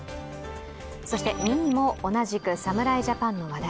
そして、２位も同じく侍ジャパンの話題。